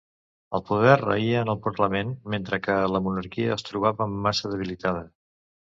El poder raïa en el parlament, mentre que la monarquia es trobava massa debilitada.